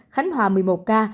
khánh hòa một mươi một ca